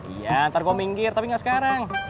iya ntar gue minggir tapi nggak sekarang